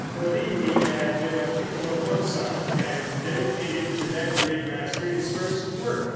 Pollini had been a pupil of Mozart, and dedicated to that great master his first work.